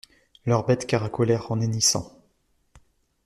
Leurs bêtes caracolèrent, en hennissant.